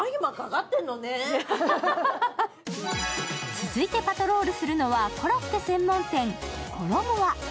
続いてパトロールするのはコロッケ専門店、コロモア。